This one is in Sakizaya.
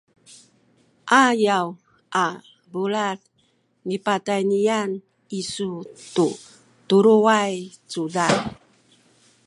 ayaw a bulad nipatayniyan isu tu tuluway cudad